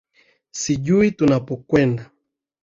sijui tunapokwenda